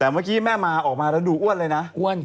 แต่เมื่อกี้แม่มาอกมาแล้วหนูอ้วนไงนะ